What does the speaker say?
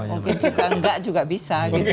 mungkin juga nggak juga bisa gitu loh